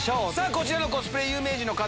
こちらのコスプレ有名人の方。